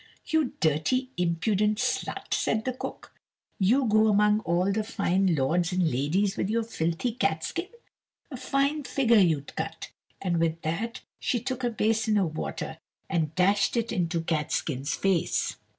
you dirty impudent slut," said the cook, "you go among all the fine lords and ladies with your filthy catskin? a fine figure you'd cut!" and with that she took a basin of water and dashed it into Catskin's face.